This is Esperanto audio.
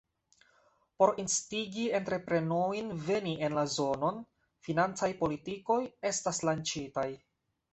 Por instigi entreprenojn veni en la zonon, financaj politikoj estas lanĉitaj.